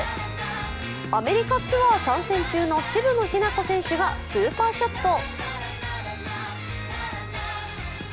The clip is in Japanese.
アメリカツアー参戦中の渋野日向子選手がスーパーショット。